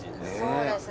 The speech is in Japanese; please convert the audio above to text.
そうです